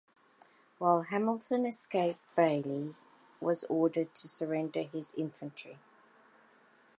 While Hamilton escaped, Baillie was ordered to surrender with his infantry.